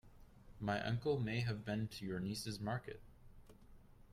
My uncle may have been to your niece's market.